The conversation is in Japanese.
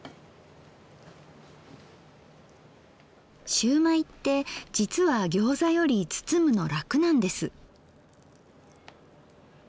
しゅうまいってじつはギョーザより包むの楽なんです。